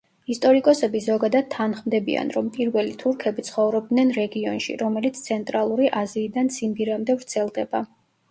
ისტორიკოსები ზოგადად თანხმდებიან, რომ პირველი თურქები ცხოვრობდნენ რეგიონში, რომელიც ცენტრალური აზიიდან ციმბირამდე ვრცელდება.